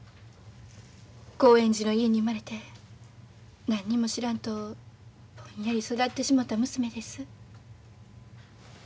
興園寺の家に生まれて何にも知らんとぼんやり育ってしもた娘です。